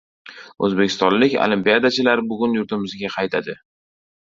O‘zbekistonlik olimpiadachilar bugun yurtimizga qaytadi